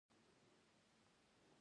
امیر حمزه په دې کې شامل و.